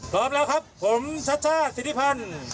พร้อมแล้วครับผมชัชชาติสิทธิพันธ์